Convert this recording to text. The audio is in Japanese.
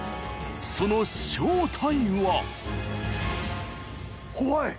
その正体は？